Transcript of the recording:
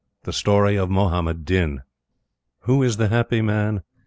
THE STORY OF MUHAMMAD DIN. "Who is the happy man?